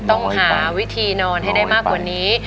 ต้องหาวิธีนอนให้ได้มากกว่านี้